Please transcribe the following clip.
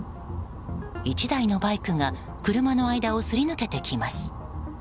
１台のバイクが車の間をすり抜けてきます。